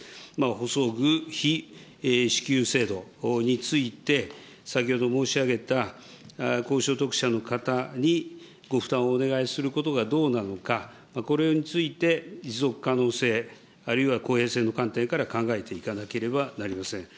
補装具費支給制度について、先ほど申し上げた高所得者の方にご負担をお願いすることがどうなのか、これについて、持続可能性、あるいは公平性の観点から考えていかなければなりません。